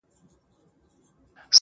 o زه وايم راسه حوصله وكړو.